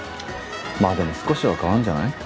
まあでも少しは変わんじゃない？